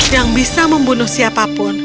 yang bisa membunuh siapapun